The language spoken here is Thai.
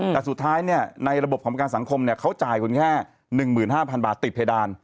แต่สุดท้ายในระบบของประกันสังคมเขาจ่ายคุณแค่๑๕๐๐บาทติดเพดาน